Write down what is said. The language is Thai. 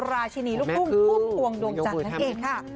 ราชินีลูกทุ่งพุ่มพวงดวงจันทร์นั่นเองค่ะ